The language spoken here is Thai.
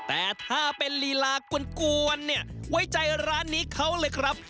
แต่ถ้าเป็นลีลากวนเนี่ยไว้ใจร้านนี้เขาเลยครับ